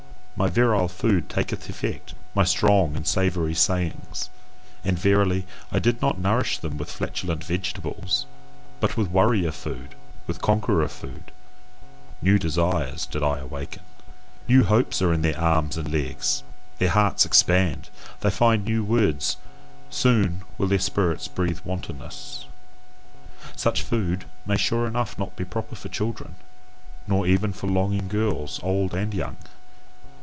My virile food taketh effect, my strong and savoury sayings: and verily, I did not nourish them with flatulent vegetables! But with warrior food, with conqueror food: new desires did I awaken. New hopes are in their arms and legs, their hearts expand. They find new words, soon will their spirits breathe wantonness. Such food may sure enough not be proper for children, nor even for longing girls old and young.